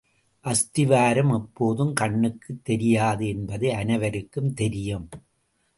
அஸ்திவாரம் எப்போதும் கண்ணுக்குத் தெரியாது என்பது அனைவருக்கும் தெரியும்.